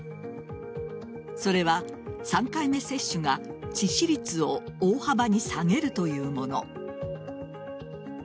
それは３回目接種が致死率を大幅に下げるというもの。